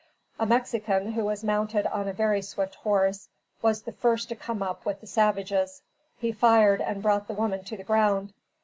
A Mexican, who was mounted on a very swift horse, was the first to come up with the savages. He fired and brought the woman to the ground.